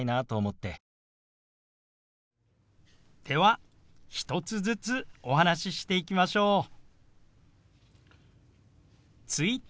では１つずつお話ししていきましょう。